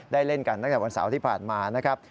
เล่นกันตั้งแต่วันเสาร์ที่ผ่านมานะครับ